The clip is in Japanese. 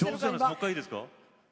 もう１回いいですか。